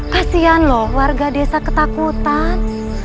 kasian loh warga desa ketakutan